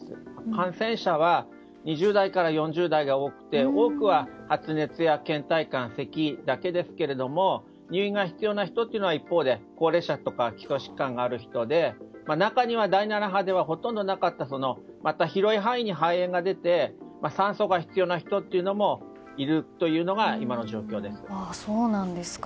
感染者は２０代から４０代が多くて多くは発熱や倦怠感せきだけですけども入院が必要な人は一方で、高齢者とか基礎疾患がある人で中には第７波ではほとんどなかったまた広い範囲に肺炎が出て酸素が必要な人もいるというのが今の状況です。